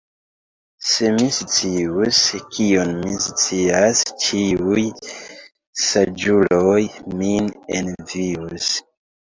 Se mi scius, kion mi ne scias, ĉiuj saĝuloj min envius.